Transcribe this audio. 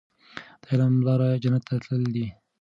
د علم لاره جنت ته تللې ده.